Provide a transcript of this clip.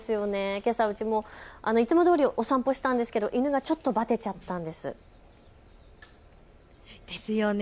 けさうちもいつもどおりお散歩したんですけど犬がちょっとばてちゃったんです。ですよね。